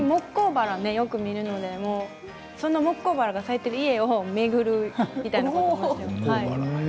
最近モッコウバラをよく見るのでモッコウバラ咲いている家を巡るみたいな。